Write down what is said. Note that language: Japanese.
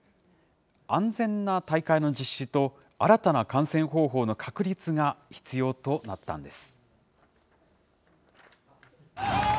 安全な大会の実施と、新たな観戦方法の確立が必要となったんです。